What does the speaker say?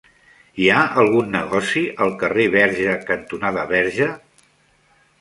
Hi ha algun negoci al carrer Verge cantonada Verge?